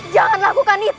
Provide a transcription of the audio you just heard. jangan lakukan itu